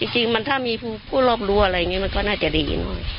จริงมันถ้ามีผู้รอบรู้อะไรอย่างนี้มันก็น่าจะได้ยิน